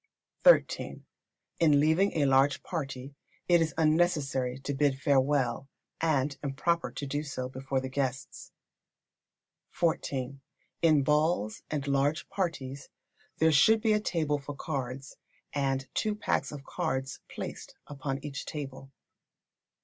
xiii. In leaving a large party it is unnecessary to bid farewell, and improper to do so before the guests. xiv. In balls and large parties there should be a table for cards, and two packs of cards placed upon each table.